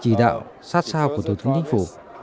chỉ đạo sát sao của tổng thống chính phủ